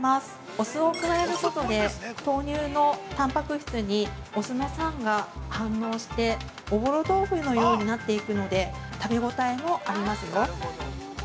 お酢を加えることで、豆乳のたんぱく質にお酢の酸が反応しておぼろ豆腐のようになっていくので食べ応えもありますよ。